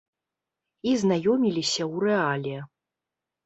І знаёміліся ў рэале.